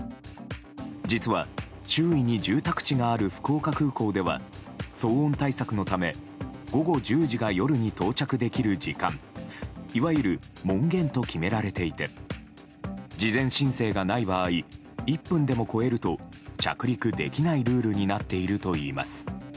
実は、周囲に住宅地がある福岡空港では騒音対策のため午後１０時が夜に到着できる時間いわゆる門限と決められていて事前申請がない場合１分でも越えると着陸できないルールになっているといいます。